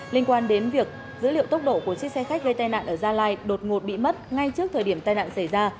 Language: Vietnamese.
liên quan đến việc dữ liệu tốc độ của chiếc xe khách gây tai nạn ở gia lai đột ngột bị mất ngay trước thời điểm tai nạn xảy ra